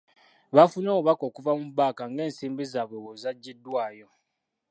Baafunye obubaka okuva mu bbanka ng'ensimbi zaabwe bwe zaggyiddwayo